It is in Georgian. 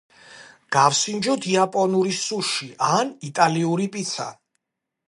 გავსინჯოთ იაპონური სუში ან იტალიური პიცა